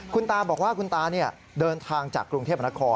คุณตาบอกว่าคุณตาเดินทางจากกรุงเทพนคร